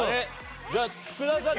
じゃあ福澤さん